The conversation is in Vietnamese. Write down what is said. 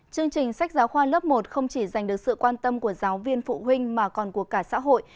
chương trình sách giáo khoa lớp một không chỉ dành được sự quan tâm của giáo viên phụ huynh mà còn của cả xã hội